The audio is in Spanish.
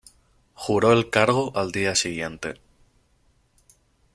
Juró el cargo al día siguiente.